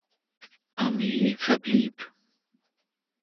Armee, verblieb.